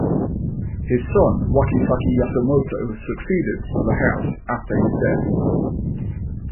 His son, Wakisaka Yasumoto, succeeded to the house after his death.